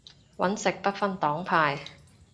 搵食不分黨派